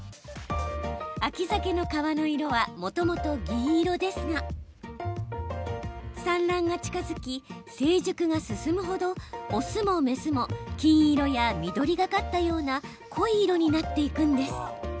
秋ザケの皮の色はもともと銀色ですが産卵が近づき、成熟が進むほど雄も雌も金色や緑がかったような濃い色になっていくんです。